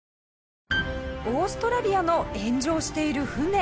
オーストラリアの炎上している船。